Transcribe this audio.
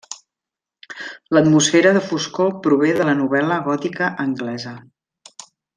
L'atmosfera de foscor prové de la novel·la gòtica anglesa.